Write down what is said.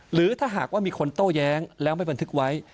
หรือถ้าหากว่ามีคนโต้แย้งแล้วไม่บันทึกไว้